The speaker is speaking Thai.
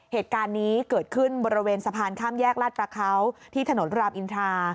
เหตุการณ์นี้เกิดขึ้นบริเวณสะพานข้ามแยกลาดประเขาที่ถนนรามอินทรา